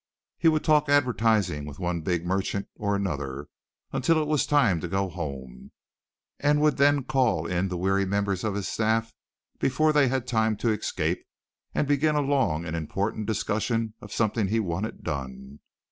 He would talk advertising with one big merchant or another until it was time to go home, and would then call in the weary members of his staff before they had time to escape and begin a long and important discussion of something he wanted done.